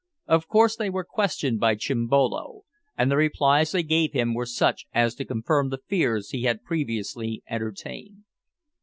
Of course they were questioned by Chimbolo, and the replies they gave him were such as to confirm the fears he had previously entertained.